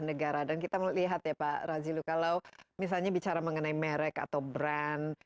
sekarang kita lihat ya pak raziello kalau misalnya bicara mengenai merek atau brand